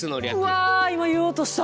うわ今言おうとした。